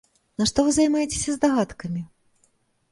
Нашто вы займаецеся здагадкамі?